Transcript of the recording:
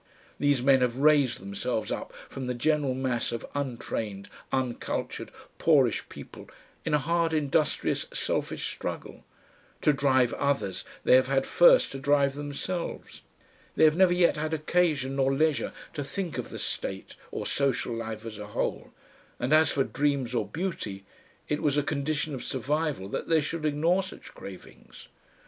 These men have raised themselves up from the general mass of untrained, uncultured, poorish people in a hard industrious selfish struggle. To drive others they have had first to drive themselves. They have never yet had occasion nor leisure to think of the state or social life as a whole, and as for dreams or beauty, it was a condition of survival that they should ignore such cravings.